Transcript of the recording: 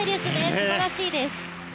素晴らしいです。